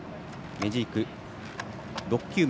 メジーク、６球目。